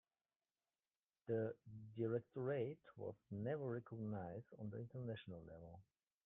The Directorate was never recognized on the international level.